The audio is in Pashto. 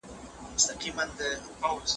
زه به سبا سبزېجات وخورم!؟